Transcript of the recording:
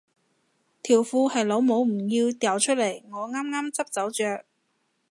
條褲係老母唔要掉出嚟我啱啱執走着